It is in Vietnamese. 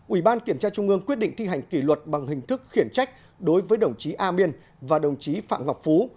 ủy ban kiểm tra trung ương quyết định thi hành kỷ luật bằng hình thức khiển trách đối với đồng chí a miên và đồng chí phạm ngọc phú